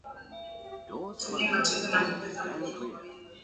tumia matunda na mboga za majani kwa wingi